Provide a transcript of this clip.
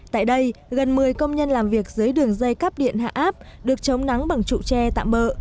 tại đây gần một mươi công nhân làm việc dưới đường dây cắp điện hạ áp được chống nắng bằng trụ tre tạm bợ